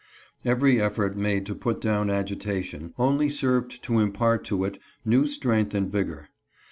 Every effort made to put down agita tion only served to impart to it new strength and vigor.